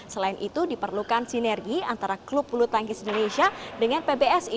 selain itu diperlukan sinergi antara klub bulu tangkis indonesia dengan pbsi